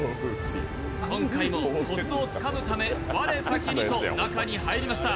今回もコツをつかむため我先へと中に入りました。